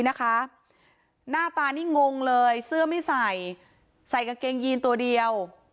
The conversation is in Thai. หน้าตานี่งงเลยเสื้อไม่ใส่ใส่กางเกงยีนตัวเดียว